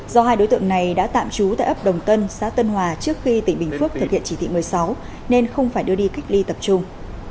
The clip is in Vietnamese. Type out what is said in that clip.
do hai đối tượng này đã tạm trú tại ấp đồng tân xã tân hòa trước khi tỉnh bình phước thực hiện chỉ thị một mươi sáu nên không phải đưa đi cách ly tập trung